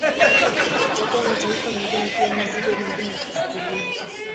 Ikitokea mataifa mengine pia mizigo mingine ikichukuliwa